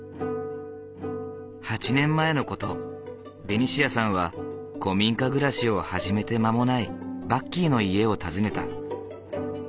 ８年前の事ベニシアさんは古民家暮らしを始めて間もないバッキーの家を訪ねた。